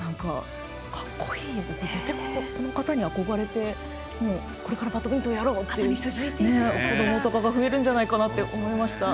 絶対この方に憧れて、これからバドミントンやろうっていう子どもとかが増えるんじゃないかなと思いました。